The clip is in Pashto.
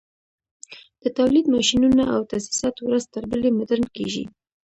د تولید ماشینونه او تاسیسات ورځ تر بلې مډرن کېږي